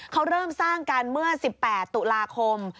เขาเริ่มสร้างกันเมื่อ๑๘ตุลาคม